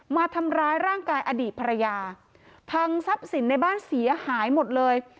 มาทำร้ายร่างกายอดีตภรรยาพังทรัพย์สินในบ้านเสียหายหมดเลย